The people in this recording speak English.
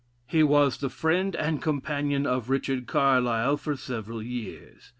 He was the friend and companion of Richard Carlile for several years.